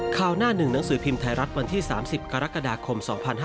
หน้าหนึ่งหนังสือพิมพ์ไทยรัฐวันที่๓๐กรกฎาคม๒๕๕๙